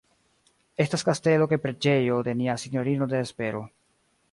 Estas kastelo kaj preĝejo de Nia Sinjorino de la Espero.